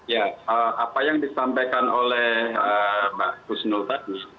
ya apa yang disampaikan oleh mbak husnul tadi